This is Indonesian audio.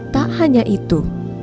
tak hanya itu